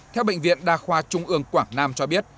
theo bệnh viện đa khoa trung ương quảng nam cho biết